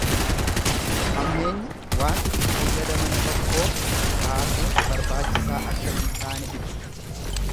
Hammeenya waan itti fayyadaman tokkoo kaasuun barbaachisaa akka hin taane ibsa.